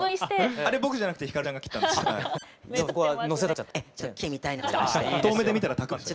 あれ僕じゃなくてヒカルちゃんが切ったんですよ。